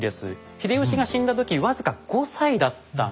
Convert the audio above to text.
秀吉が死んだ時僅か５歳だったんですよね。